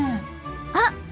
あっ！